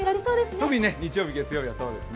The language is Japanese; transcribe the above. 特に日曜日、月曜日はそうですね。